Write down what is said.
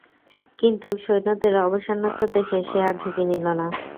কিন্তু সৈন্যদের অবসন্নতা দেখে সে আর ঝুকি নিল না।